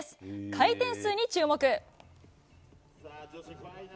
回転数に注目。